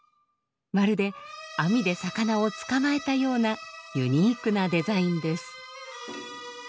まるで網で魚を捕まえたようなユニークなデザインです。